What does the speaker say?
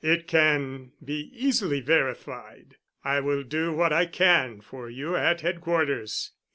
It can be easily verified. I will do what I can for you at Headquarters.